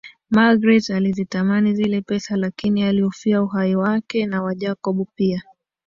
Magreth alizitamani zile pesa lakini alihofia uhai wake na wa Jacob pia